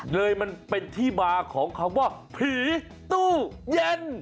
เลยมันเป็นที่มาของคำว่าผีตู้เย็น